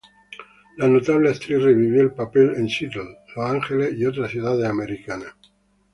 La notable actriz revivió el papel en Seattle, Los Ángeles y otras ciudades americanas.